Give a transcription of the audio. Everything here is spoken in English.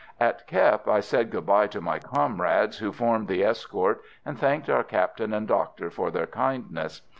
At Kep I said good bye to my comrades who formed the escort, and thanked our Captain and doctor for their kindness.